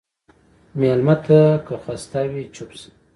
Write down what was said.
مېلمه ته که خسته وي، چپ شه.